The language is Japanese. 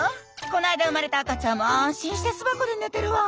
この間生まれた赤ちゃんも安心して巣箱で寝てるわ。